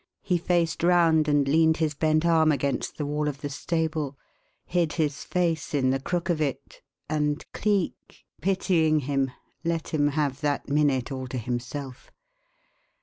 He faced round and leaned his bent arm against the wall of the stable, hid his face in the crook of it, and Cleek, pitying him, let him have that minute all to himself.